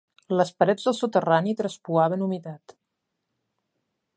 Les parets del soterrani traspuaven humitat.